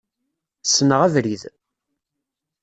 Ssneɣ abrid.